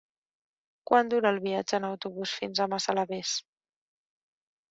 Quant dura el viatge en autobús fins a Massalavés?